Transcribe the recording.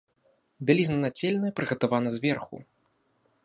Бялізна нацельная прыгатавана зверху.